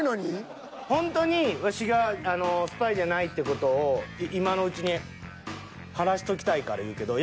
ほんとにワシがスパイじゃないって事を今のうちに話しときたいから言うけど。